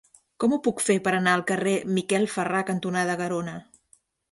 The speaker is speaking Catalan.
Com ho puc fer per anar al carrer Miquel Ferrà cantonada Garona?